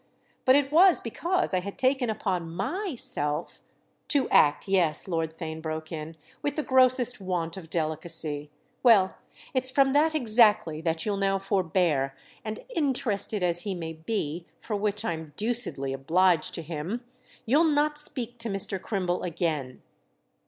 But it was because I had taken upon my self—" "To act, yes," Lord Theign broke in, "with the grossest want of delicacy! Well, it's from that exactly that you'll now forbear; and 'interested' as he may be—for which I'm deucedly obliged to him!—you'll not speak to Mr. Crimble again."